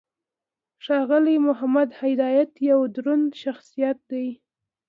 ښاغلی محمد هدایت یو دروند شخصیت دی.